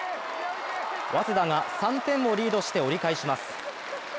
早稲田が３点をリードして折り返します。